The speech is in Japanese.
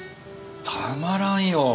たまらんよ。